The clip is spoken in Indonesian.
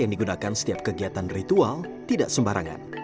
yang digunakan setiap kegiatan ritual tidak sembarangan